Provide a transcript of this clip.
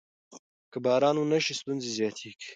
که باران ونه شي ستونزې زیاتېږي.